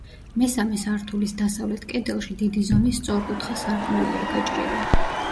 მესამე სართულის დასავლეთ კედელში დიდი ზომის სწორკუთხა სარკმელია გაჭრილი.